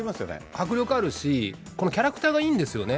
迫力あるし、このキャラクターがいいんですよね。